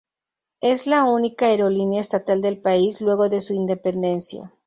Es la única aerolínea estatal del país, luego de su independencia.